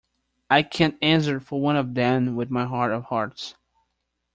I can answer for one of them with my heart of hearts.